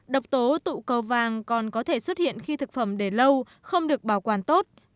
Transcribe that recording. độc tố tụ cầu vàng còn có thể xuất hiện khi thực phẩm để lâu không được bảo quản tốt